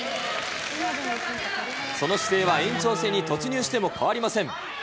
その姿勢は延長戦に突入しても変わりません。